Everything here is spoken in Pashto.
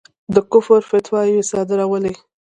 د کُفر فتواوې صادرولې.